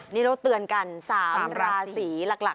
นี่เราเตือนกัน๓ราศีหลัก